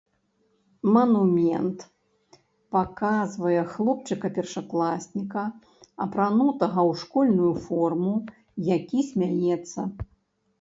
Манумент паказвае хлопчыка-першакласніка, апранутага ў школьную форму, які смяецца.